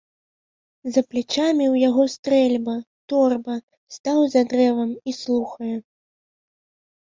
За плячамі ў яго стрэльба, торба, стаў за дрэвам і слухае.